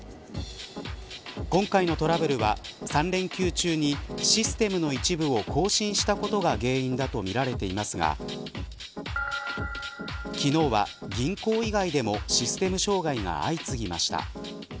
今回のトラブルは、３連休中にシステムの一部を更新したことが原因だとみられていますが昨日は銀行以外でもシステム障害が相次ぎました。